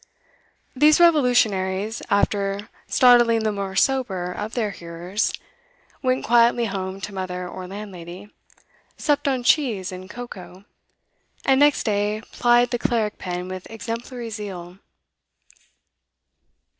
These revolutionaries, after startling the more sober of their hearers, went quietly home to mother or landlady, supped on cheese and cocoa, and next day plied the cleric pen with exemplary zeal.